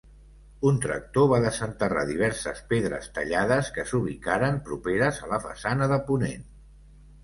Un tractor va desenterrar diverses pedres tallades que s'ubicaren properes a la façana de ponent.